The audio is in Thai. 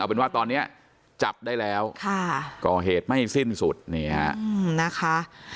เป็นว่าตอนนี้จับได้แล้วก่อเหตุไม่สิ้นสุดนี่ฮะนะคะ